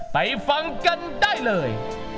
ไปฟังกันได้เลย